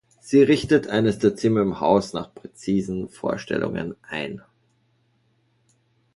Sie richtet eines der Zimmer im Haus nach präzisen Vorstellungen ein.